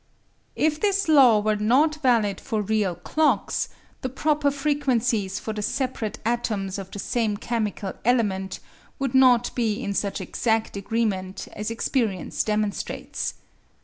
If this law were not valid for real clocks, the proper frequencies for the separate atoms of the same chemical element would not be in such exact agreement as experience demonstrates.